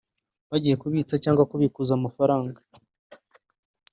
bagiye kubitsa cyangwa kubikuza amafaranga